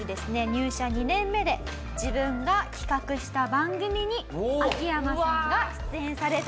入社２年目で自分が企画した番組に秋山さんが出演されたと。